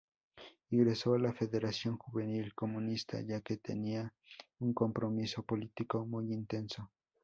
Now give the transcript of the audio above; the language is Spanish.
Ingresó a la Federación Juvenil Comunista ya que tenía un compromiso político muy intenso.